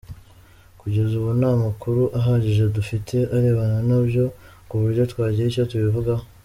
Kugeza ubu, nta makuru ahagije dufite arebana na byo ku buryo twagira icyo tubivugaho.”